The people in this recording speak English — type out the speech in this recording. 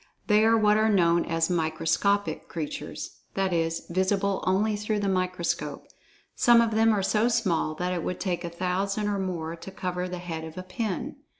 They are what are known as "microscopic" creatures—that is, visible only through the microscope. Some of them are so small that it would take a thousand or more to cover the head of a pin.